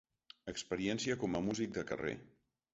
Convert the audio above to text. Experiència com a músic de carrer.